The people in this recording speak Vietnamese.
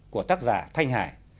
của tác giả thanh hải